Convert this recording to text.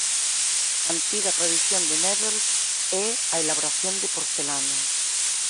Antiga tradición de Nevers é a elaboración de porcelana.